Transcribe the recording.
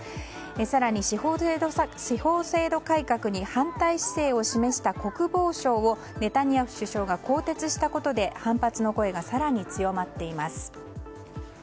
更に、司法制度改革に反対姿勢を示した国防相をネタニヤフ首相が更迭したことで反発の声が更に強まっています。